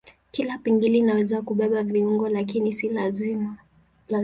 Kila pingili inaweza kubeba viungo lakini si lazima.